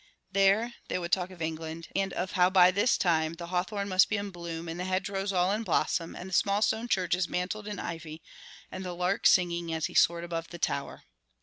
There they would talk of England, and of how by this time the hawthorne must be in bloom and the hedgerows all in blossom and the small stone churches mantled in ivy and the lark singing as he soared above the tower.